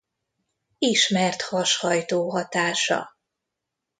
Ismert hashajtó hatása.